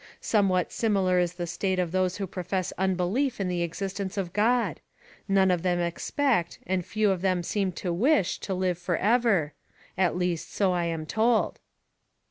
Somewhat similar is the state of those who profess unbelief in the existence of God: none of them expect, and few of them seem to wish to live for ever! At least, so I am told."